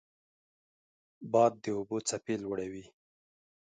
باد د اوبو څپې لوړوي